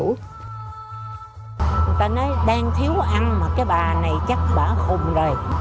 người ta nói đang thiếu ăn mà cái bà này chắc bà hùng rồi